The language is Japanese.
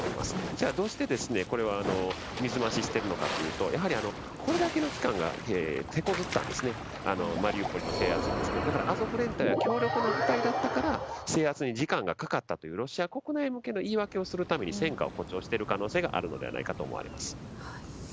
じゃあ、どうして水増ししているのかというとこれだけの期間手こずったのでマリウポリの制圧に。アゾフ連隊は強力な部隊だったから制圧に時間がかかったというロシア国内向けの言い訳をするために戦果を誇張している可能性があると思います。